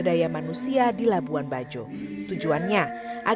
daya manusia di labuan bajo tujuannya agar kenyamanan dan keamanan para calon wisatawan